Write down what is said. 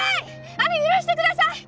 あの許してください